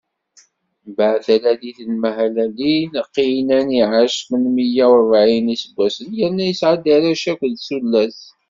Mbeɛd talalit n Mahalalil, Qiynan iɛac tmen meyya u ṛebɛin n iseggasen, yerna yesɛa-d arrac akked tullas.